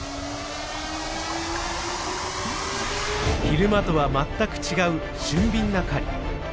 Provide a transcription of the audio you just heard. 昼間とは全く違う俊敏な狩り。